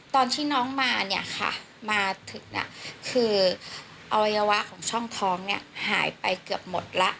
ตอนที่น้องมาเนี่ยค่ะมาถึงคืออวัยวะของช่องท้องเนี่ยหายไปเกือบหมดแล้ว